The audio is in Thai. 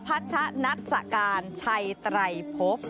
พัชชะนัทสกานชัยไตรภพ